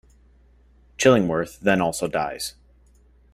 Chillingworth then also dies.